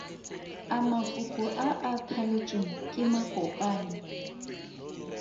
A mafoko a a thaletsweng ke makopanyi?